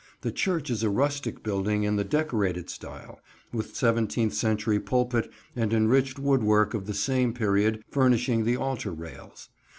The church is a rustic building in the Decorated style, with seventeenth century pulpit and enriched woodwork of the same period furnishing the altar rails.